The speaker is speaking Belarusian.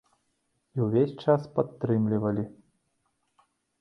І ўвесь час падтрымлівалі.